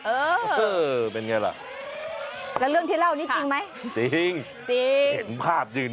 เออเป็นอย่างไรหรือแล้วเรื่องที่เล่าอันนี้จริงไหมจริง